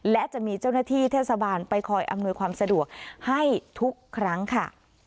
และจะมีเจ้าหน้าที่เทศบาลไปคอยอำนวยความสะดวกให้ทุกครั้งค่ะ